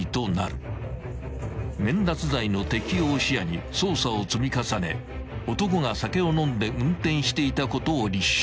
［免脱罪の適用を視野に捜査を積み重ね男が酒を飲んで運転していたことを立証］